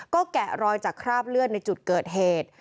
ก็แกะรอยจากคราบเลือดในจุดเกิดเหตุ